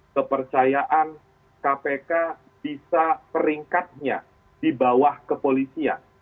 kepercayaan kpk bisa peringkatnya di bawah kepolisian